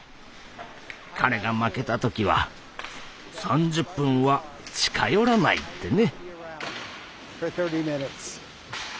彼が負けた時は３０分は近寄らないってね。